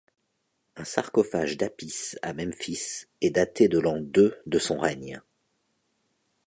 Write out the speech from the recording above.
Un sarcophage d'Apis à Memphis est daté de l'an deux de son règne.